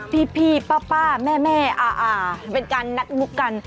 พี่ป้าแม่เป็นการนัดมุกกัน